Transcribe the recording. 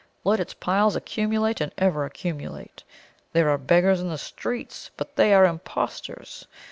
Let its piles accumulate and ever accumulate! There are beggars in the streets, but they are impostors!